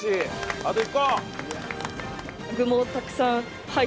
あと１個！